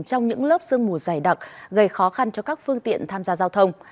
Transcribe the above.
trong những lớp sương mù dày đặc gây khó khăn cho các phương tiện tham gia giao thông